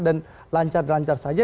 dan lancar lancar saja